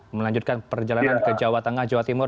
melanjutkan perjalanan ke jawa tengah jawa timur